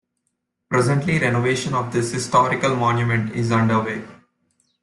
Presently renovation of this historical monument is underway.